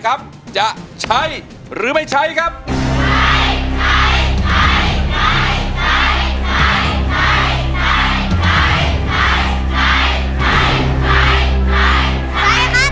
เพลงนี้ที่๕หมื่นบาทแล้วน้องแคน